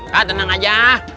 hah tenang aja